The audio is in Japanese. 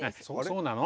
そうなの？